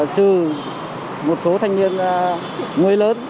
trừ một số thanh niên người lớn